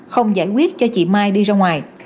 không giải quyết cho chị mai đi ra ngoài